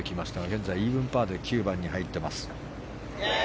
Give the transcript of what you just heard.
現在イーブンパーで９番に入っています。